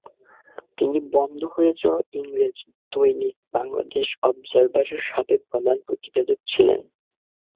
তিনি বন্ধ হয়ে যাওয়া ইংরেজি দৈনিক বাংলাদেশ অবজারভারের সাবেক প্রধান প্রতিবেদক ছিলেন।